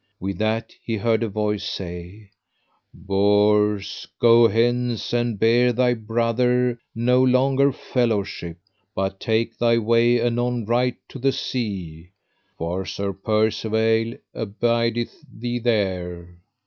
With that he heard a voice say: Bors, go hence, and bear thy brother no longer fellowship, but take thy way anon right to the sea, for Sir Percivale abideth thee there.